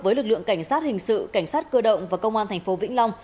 với lực lượng cảnh sát hình sự cảnh sát cơ động và công an tp vĩnh long